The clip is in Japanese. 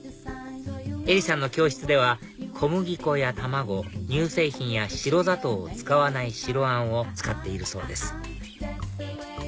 えりさんの教室では小麦粉や卵乳製品や白砂糖を使わない白あんを使っているそうです